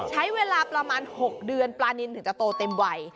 ใช้เวลาประมาณ๖เดือนปลานินถึงจะโตเต็มวัย